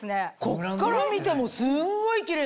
こっから見てもすんごいキレイ！